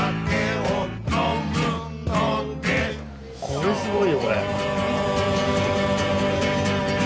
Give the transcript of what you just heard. これすごいよこれ。